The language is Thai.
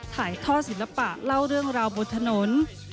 ถ่ายท่อศิลปะเล่าเรื่องราวบนถนน